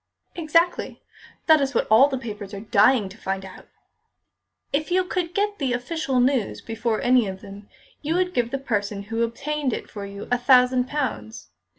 "Exactly. That is what all the papers are dying to find out." "If you could get the official news before any of them, you would give the person who obtained it for you a thousand pounds.